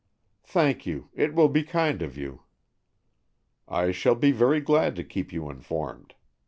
"Thank you. It will be kind of you." "I shall be very glad to keep you informed."